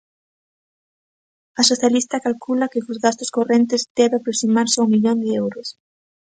A socialista calcula que cos gastos correntes debe aproximarse ao millón de euros.